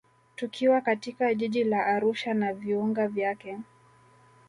Tukiwa katika jiji la Arusha na viunga vyake